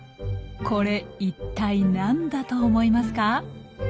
これいったい何だと思いますか？